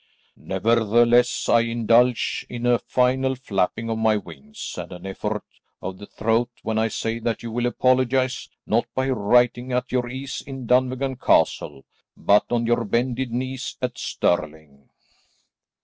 Nevertheless I indulge in a final flapping of my wings and an effort of the throat when I say that you will apologise, not by writing at your ease in Dunvegan Castle, but on your bended knees at Stirling."